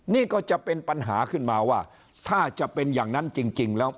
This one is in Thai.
นี่ก็จะเป็นปัญหาขึ้นมาว่าถ้าจะเป็นอย่างนั้นจริงแล้ว